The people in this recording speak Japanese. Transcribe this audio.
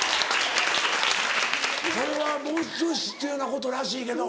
これはものすごい必要なことらしいけど。